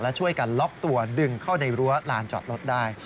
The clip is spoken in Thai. และช่วยกันล็อกตัวดึงเข้าในรั้วลานจอดรถได้